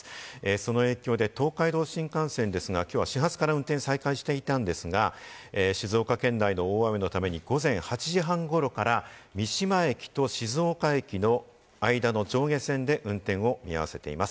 その影響で東海道新幹線ですが、きょうは始発から運転を再開していたんですが、静岡県内の大雨のために午前８時半頃から三島駅と静岡駅の間の上下線で運転を見合わせています。